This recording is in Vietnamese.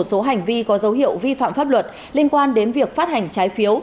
một số hành vi có dấu hiệu vi phạm pháp luật liên quan đến việc phát hành trái phiếu